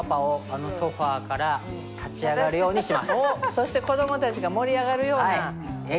そして子どもたちが盛り上がるような。